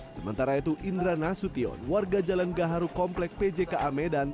sementara itu indra nasution warga jalan gaharu komplek pjka medan